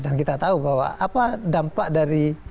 kita tahu bahwa apa dampak dari